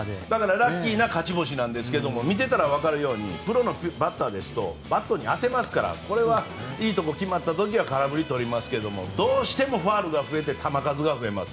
ラッキーな勝ち星なんですけど見てたらわかるようにプロのバッターですとバットに当てますからこれはいいとこ決まった時は空振りを取りますがどうしてもファウルが増えて球数が増えます。